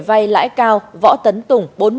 vay lãi cao võ tấn tùng